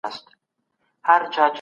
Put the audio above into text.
کور ئې ټول وسوځېدئ